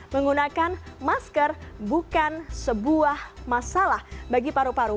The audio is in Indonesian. menggunakan masker bukan sebuah masalah bagi paru paru